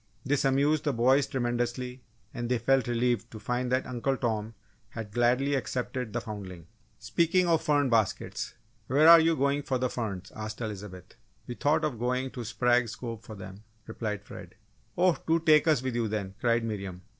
This amused the boys tremendously and they felt relieved to find that Uncle Tom had gladly accepted the foundling. "Speaking of fern baskets where are you going for the ferns?" asked Elizabeth. "We thought of going to Sprague's Cove for them," replied Fred. "Oh, do take us with you then," cried Miriam.